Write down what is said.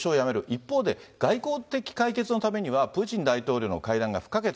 一方で、外交的解決のためには、プーチン大統領の会談が不可欠。